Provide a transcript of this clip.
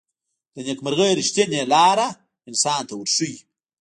د نیکمرغۍ ریښتینې لاره انسان ته ورښيي.